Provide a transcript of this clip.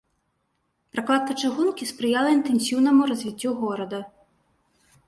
Пракладка чыгункі спрыяла інтэнсіўнаму развіццю горада.